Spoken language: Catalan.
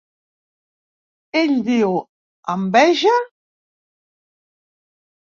Ell diu: —Enveja?